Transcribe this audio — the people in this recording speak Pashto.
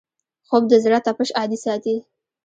خوب د زړه تپش عادي ساتي